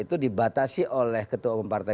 itu dibatasi oleh ketua umum partai